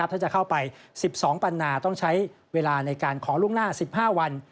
ถ้าจะเข้าไป๑๒ปันนาต้องใช้เวลาในการขอล่วงหน้า๑๕วัน